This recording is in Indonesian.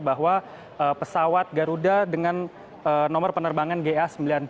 bahwa pesawat garuda dengan nomor penerbangan ga sembilan ribu tujuh ratus sembilan puluh